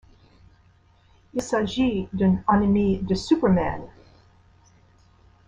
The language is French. Il s'agit d'un ennemi de Superman.